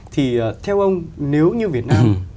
thì theo ông nếu như việt nam